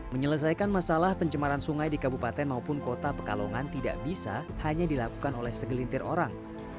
menyelesaikan masalah pencemaran sungai di kabupaten maupun kota pekalongan tidak bisa hanya dilakukan oleh segelintir orang